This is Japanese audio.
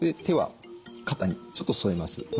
手は肩にちょっと添えます。